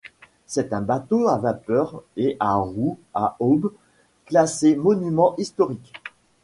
C'est un bateau à vapeur et à roues à aubes, classé monument historique.